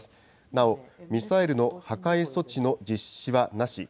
なお、ミサイルの破壊措置の実施はなし。